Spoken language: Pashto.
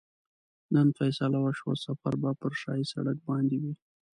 نن فیصله وشوه سفر به پر شاهي سړک باندې وي.